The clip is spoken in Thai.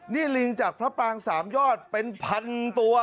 นี่ลิงจากพระปาง๓ยอดเป็นพันตัว